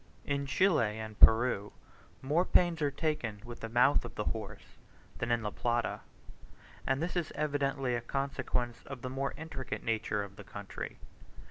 In Chile and Peru more pains are taken with the mouth of the horse than in La Plata, and this is evidently a consequence of the more intricate nature of the country.